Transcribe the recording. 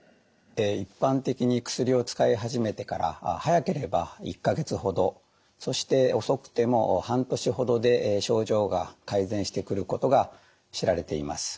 一般的に薬を使い始めてから早ければ１か月ほどそして遅くても半年ほどで症状が改善してくることが知られています。